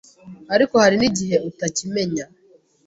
ariko hari n igihe utakimenya